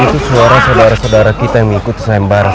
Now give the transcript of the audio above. itu suara saudara saudara kita yang mengikuti sayang marah